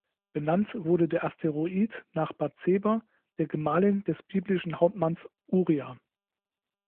Benannt wurde der Asteroid nach Bathseba, der Gemahlin des biblischen Hauptmanns Urija.